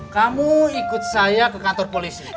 kamu ikut saya ke kantor polisi